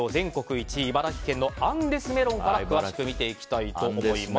１位茨城県のアンデスメロンから詳しく見ていきたいと思います。